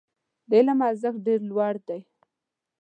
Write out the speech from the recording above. د علم ارزښت ډېر لوړ دی.